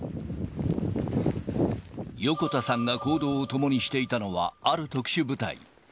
横田さんが行動を共にしていたのは、ある特殊部隊。